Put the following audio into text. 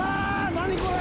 何これ？